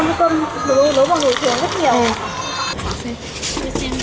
sẽ ngạc hơn như cơm nấu bằng nồi thường rất nhiều